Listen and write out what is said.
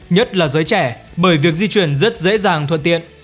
nhất là giới trẻ bởi việc di chuyển rất dễ dàng thuận tiện